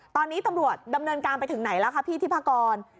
ตอนนี้ตำรวจดำเนินการไปถึงไหนแล้วคะพี่ทิพากร